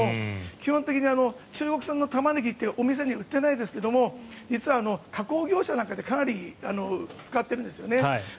基本的に中国産のタマネギってお店で売ってないですが実は加工業者なんかでかなり使っているんですよね。